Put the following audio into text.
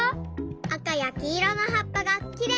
あかやきいろのはっぱがきれいだよね。